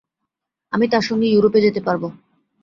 আমি তাঁর সঙ্গে ইউরোপে যেতে পারব।